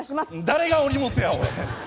誰がお荷物やおい。